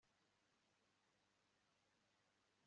bizera bababara